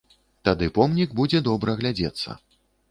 Тады помнік будзе добра глядзецца.